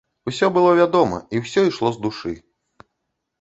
Усё было вядома і ўсё ішло з душы!